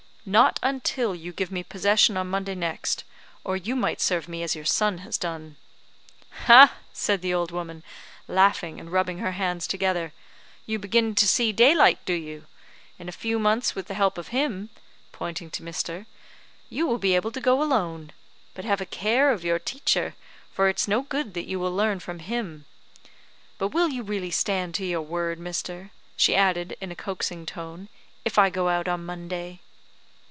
"Not until you give me possession on Monday next; or you might serve me as your son has done." "Ha!" said the old woman, laughing and rubbing her hands together; "you begin to see daylight, do you? In a few months, with the help of him," pointing to Mr. , "you will be able to go alone; but have a care of your teacher, for it's no good that you will learn from him. But will you really stand to your word, mister?" she added, in a coaxing tone, "if I go out on Monday?"